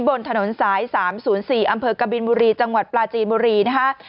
บนถนนสาย๓๐๔อำเภอกบินบุรีจังหวัดปลาจีนบุรีนะคะ